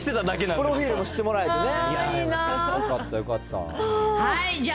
プロフィールも知ってもらえいいなあ。